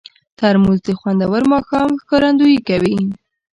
ترموز د خوندور ماښام ښکارندویي کوي.